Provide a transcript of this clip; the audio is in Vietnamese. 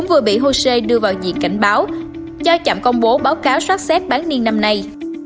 vừa bị hồ sê đưa vào diện cảnh báo cho chậm công bố báo cáo soát xét bán niên năm nay